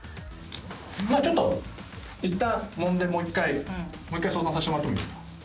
まあちょっといったんもんでもう１回もう１回相談させてもらってもいいですか？